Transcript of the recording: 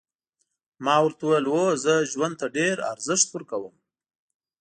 ما ورته وویل هو زه ژوند ته ډېر ارزښت ورکوم.